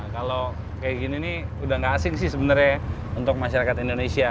kalau kayak gini nih udah nggak asing sih sebenarnya untuk masyarakat indonesia